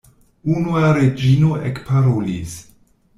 Unua Reĝino ekparolis.